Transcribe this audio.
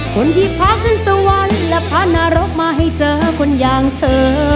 คนที่พาขึ้นสวรรค์และพานรกมาให้เจอคนอย่างเธอ